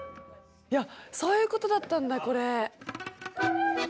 そういうことだったんだこれ。